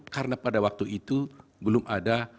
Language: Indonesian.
karena pada waktu itu belum ada